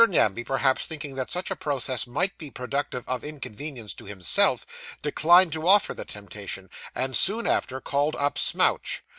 Namby, perhaps thinking that such a process might be productive of inconvenience to himself, declined to offer the temptation, and, soon after, called up Smouch.